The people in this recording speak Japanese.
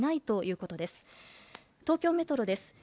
東京メトロです。